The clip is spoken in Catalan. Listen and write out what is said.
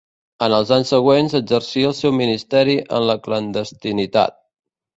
En els anys següents exercí el seu ministeri en la clandestinitat.